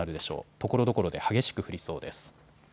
ところどころで激しく降りそうです。